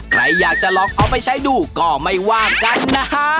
ใครอยากจะลองเอาไปใช้ดูก็ไม่ว่ากันนะฮะ